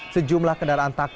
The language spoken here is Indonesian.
sejumlah kendaraan takutnya